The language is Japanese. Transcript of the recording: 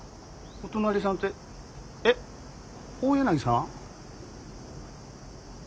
お隣さんってえっ大柳さん？